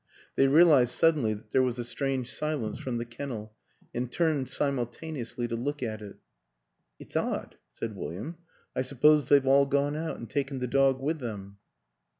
They realized suddenly that there was a strange silence from the kennel and turned simultaneously to look at it. " It's odd," said William. " I suppose they've all gone out, and taken the dog with them."